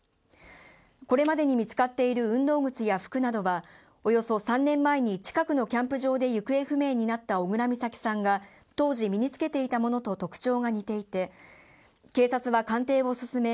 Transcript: これまでに見つかっている運動靴や服などはおよそ３年前に近くのキャンプ場で行方不明になった小倉美咲さんが当時身に着けていたものと特徴が似ていて警察は鑑定を進め